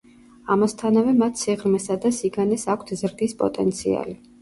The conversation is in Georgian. ამასთანავე მათ სიღრმესა და სიგანეს აქვთ ზრდის პოტენციალი.